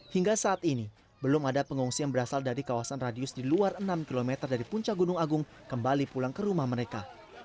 hingga saat ini belum ada pengungsi yang berasal dari kawasan radius di luar enam km dari puncak gunung agung kembali pulang ke rumah mereka